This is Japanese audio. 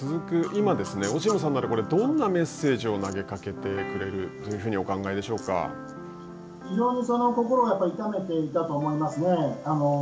今オシムさんならこれどんなメッセージを投げかけてくれるというふうに心を痛めていたと思いますね。